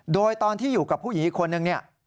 โดยตอนที่อยู่กับผู้หญิงคนหนึ่ง